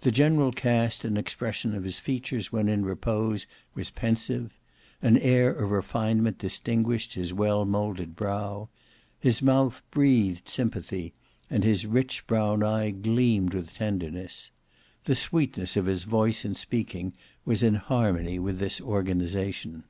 The general cast and expression of his features when in repose was pensive: an air of refinement distinguished his well moulded brow; his mouth breathed sympathy, and his rich brown eye gleamed with tenderness. The sweetness of his voice in speaking was in harmony with this organization.